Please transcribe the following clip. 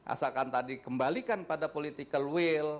asalkan tadi kembalikan pada political will